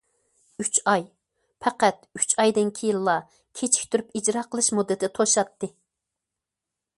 ئۈچ ئاي، پەقەت ئۈچ ئايدىن كېيىنلا كېچىكتۈرۈپ ئىجرا قىلىش مۇددىتى توشاتتى.